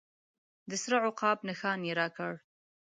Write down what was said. د سره عقاب نښان یې راکړ.